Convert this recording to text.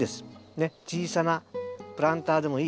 ねっ小さなプランターでもいい。